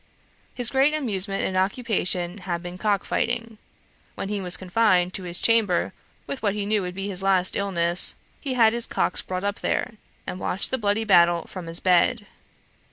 His great amusement and occupation had been cock fighting. When he was confined to his chamber with what he knew would be his last illness, he had his cocks brought up there, and watched the bloody battle from his bed.